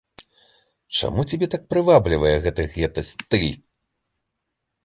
Чаму цябе так прываблівае гэты гета-стыль?